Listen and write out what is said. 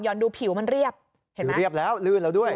ดูผิวมันเรียบเห็นมันเรียบแล้วลื่นแล้วด้วย